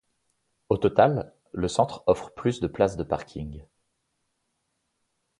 Au total, le centre offre plus de places de parking.